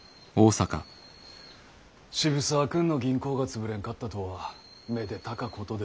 渋沢君の銀行が潰れんかったとはめでたかことです。